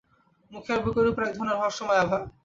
মুখে আর বুকের ওপর একধরনের রহস্যময় আভা।